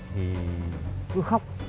thì cứ khóc